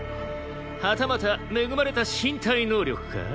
はたまた恵まれた身体能力か？